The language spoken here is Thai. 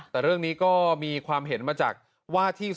แต่เรื่องนี้ก็มีความเห็นมาจากว่าที่